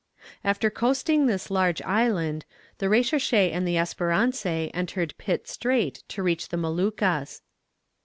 After coasting this large island, the Recherche and the Espérance entered Pitt Strait to reach the Moluccas.